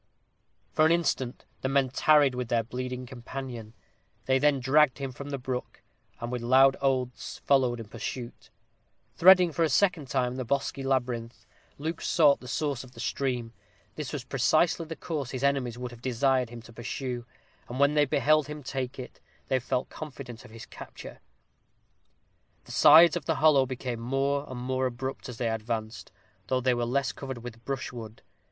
For an instant the men tarried with their bleeding companion. They then dragged him from the brook, and with loud oaths followed in pursuit. Threading, for a second time, the bosky labyrinth, Luke sought the source of the stream. This was precisely the course his enemies would have desired him to pursue; and when they beheld him take it, they felt confident of his capture. The sides of the hollow became more and more abrupt as they advanced, though they were less covered with brushwood.